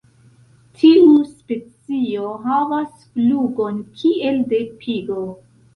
Tiu specio havas flugon kiel de pigo.